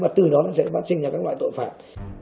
và từ đó sẽ phát sinh ra các loại tội phạm